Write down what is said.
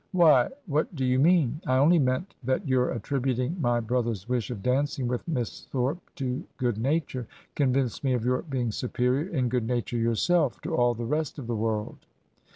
'Why, what do you mean?' ... 'I only meant that your attributing my brother's wish of dancing with Miss Thorp to good nature, convinced me of your being superior in good nature yourself to all the rest of the world.'